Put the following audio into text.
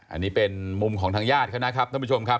อันนี้เป็นมุมของทางญาติเขานะครับท่านผู้ชมครับ